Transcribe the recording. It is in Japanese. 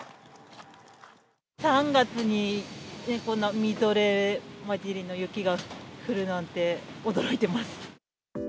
３月に、こんなみぞれ交じりの雪が降るなんて、驚いてます。